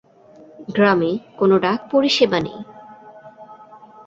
গ্রামে কোনো ডাক পরিষেবা নেই।